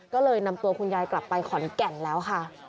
ก็เลยนำตัวคุณยายกลับไปขอนแก่นแล้วค่ะ